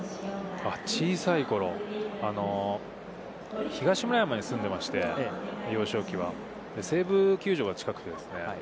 小さいころ、東村山に住んでまして、幼少期は西武球場が近くて。